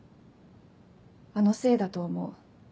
「あのせいだと思う」